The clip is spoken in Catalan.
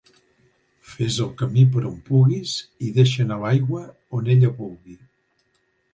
Fes el camí per on puguis i deixa anar l'aigua on ella vulgui.